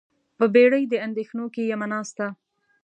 په بیړۍ د اندیښنو کې یمه ناسته